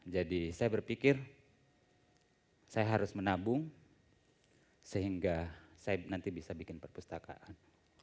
jadi saya berpikir saya harus menabung sehingga saya nanti bisa bikin perpustakaan